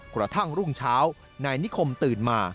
กระทั่งรุ่งเช้านายนิคมตื่นมา